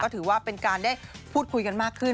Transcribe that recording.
ถือว่าเป็นการได้พูดคุยกันมากขึ้น